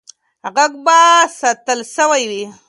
غږ به ساتل سوی وي.